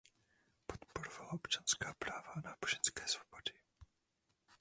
Podporoval občanská práva a náboženské svobody.